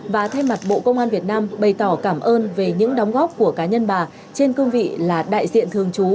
và thay mặt bộ công an việt nam bày tỏ cảm ơn về những đóng góp của cá nhân bà trên cương vị là đại diện thường trú